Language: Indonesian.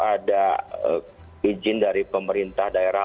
ada izin dari pemerintah daerah